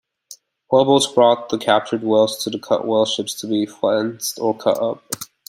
Whaleboats brought the captured whales to the whaleships to be flensed or cut up.